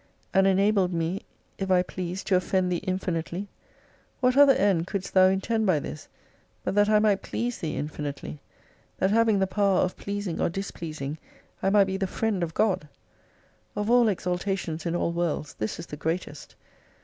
And enabled me if I please to offend Thee infinitely ! What other end couldst Thou intend by this, but that I might please Thee infinitely ! That having the power of pleasing or displeasing, I might be the friend of God ! Of all exaltations in all worlds this is the greatest.